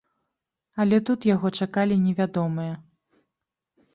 Але тут яго чакалі невядомыя.